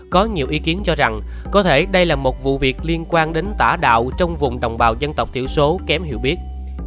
có nhiều ý kiến cho rằng có thể đây là một vụ việc liên quan đến tả đạo trong vùng đồng bào dân tộc thiểu số kém hiệu biết